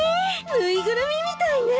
ぬいぐるみみたいね。